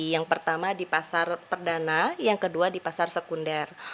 yang pertama di pasar perdana yang kedua di pasar sekunder